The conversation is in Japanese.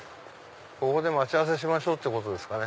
ここで待ち合わせしましょうってことですかね。